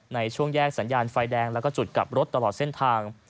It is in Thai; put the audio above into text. ในช่วงแยกสัญญาณไฟแดงแล้วก็จุดกลับรถตลอดเส้นทาง